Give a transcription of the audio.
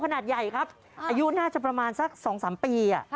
ขนาดใหญ่ครับอายุน่าจะประมาณสัก๒๓ปี